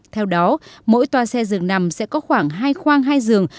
theo đó mỗi toa xe dường nằm sẽ có khoảng hai khoang hai giường